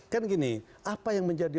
kan gini apa yang menjadi